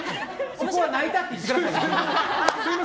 そこは泣いたって言ってください。